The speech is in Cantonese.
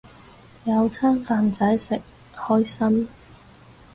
有餐飯仔食，開心